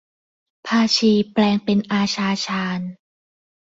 พาชีแปลงเป็นอาชาชาญ